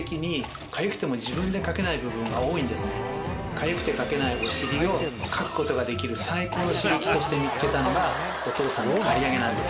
かゆくてかけないお尻をかくことができる最高の刺激として見つけたのがお父さんの刈り上げなんです。